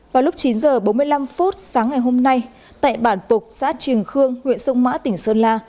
vào lúc chín h bốn mươi năm phút sáng ngày hôm nay tại bản phục xã trường khương huyện sông mã tỉnh sơn la